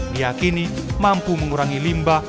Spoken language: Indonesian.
diakini mampu mengurangi limbah